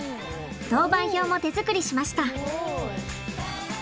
当番表も手作りしました。